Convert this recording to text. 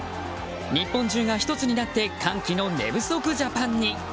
日本中が一つになって歓喜の寝不足ジャパンに！